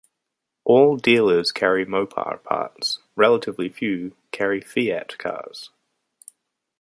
All dealers carry Mopar parts; relatively few carry Fiat cars.